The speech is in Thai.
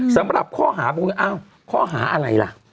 สำหรับข้อหาอ้าวข้อหาอะไรล่ะ